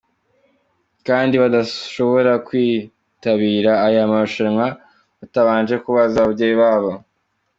kandi badashobora kwitabira aya marushanwa batabanje kubaza ababyeyi babo.